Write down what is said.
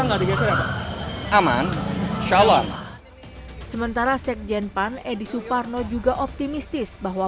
enggak digeser aman shalallahu sementara sekjen pan edi suparno juga optimistis bahwa